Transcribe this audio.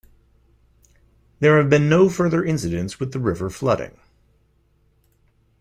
There have been no further incidents with the river flooding.